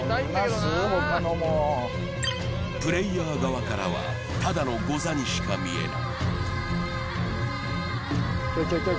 プレーヤー側からは、ただのござにしか見えない。